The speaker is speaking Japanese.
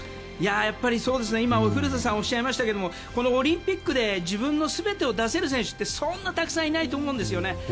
やっぱり今、古田さんがおっしゃいましたがこのオリンピックで自分の全てを出せる選手ってそんなたくさんいないと思うんですよね。